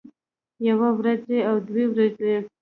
يوه وروځه او دوه ورځې